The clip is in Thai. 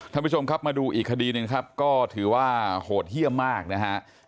ท่านผู้ชมครับมาดูอีกคดีหนึ่งครับก็ถือว่าโหดเยี่ยมมากนะฮะ